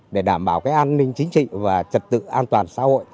để đảm bảo cái an ninh chính trị và trật tự an toàn xã hội